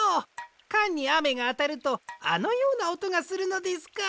カンにあめがあたるとあのようなおとがするのですか。